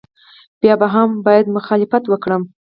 بیا هم باید مخالفت وکړم.